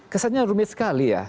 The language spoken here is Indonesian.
kesannya rumit sekali ya